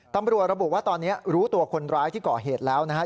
ตำรวจระบุว่าตอนนี้รู้ตัวคนร้ายที่ก่อเหตุแล้วนะครับ